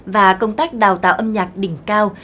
và công tác đào tạo âm nhạc đỉnh cao